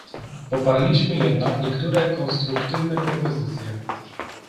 Poparliśmy jednak niektóre konstruktywne propozycje